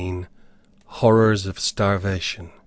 HORRORS OF STARVATION.